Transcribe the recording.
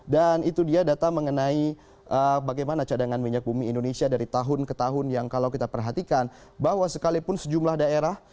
dan itu dia data mengenai bagaimana cadangan minyak bumi indonesia dari tahun ke tahun yang kalau kita perhatikan bahwa sekalipun sejumlah daerah